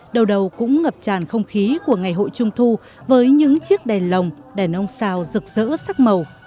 đầu đầu cũng ngập tràn không khí của ngày hội trung thu với những chiếc đèn lồng đèn ông sao rực rỡ sắc màu